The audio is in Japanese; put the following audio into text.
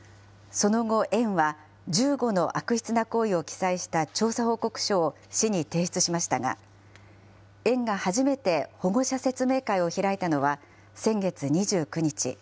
その後、園は１５の悪質な行為を記載した調査報告書を市に提出しましたが、園が初めて保護者説明会を開いたのは、先月２９日。